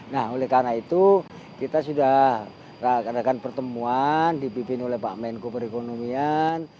nah oleh karena itu kita sudah adakan pertemuan dipimpin oleh pak menko perekonomian